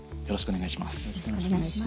よろしくお願いします。